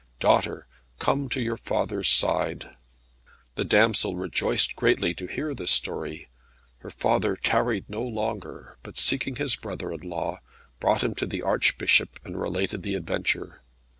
Daughter, come to your father's side." The damsel rejoiced greatly to hear this story. Her father tarried no longer, but seeking his son in law, brought him to the Archbishop, and related the adventure.